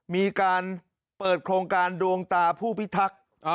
มีการเปิดโครงการดวงตาผู้พิทักษ์